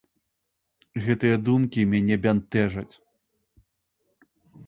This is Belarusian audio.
Гэтыя думкі мяне бянтэжаць.